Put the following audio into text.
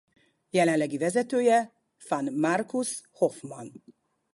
Jelenlegi vezetője van Markus Hoffmann.